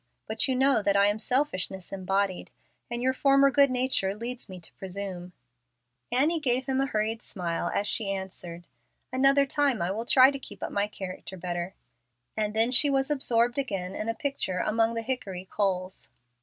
But you know that I am selfishness embodied, and your former good nature leads me to presume." Annie gave him a hurried smile, as she answered, "Another time I will try to keep up my character better"; and then she was absorbed again in a picture among the hickory coals.